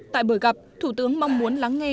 tại bữa gặp thủ tướng mong muốn lắng nghe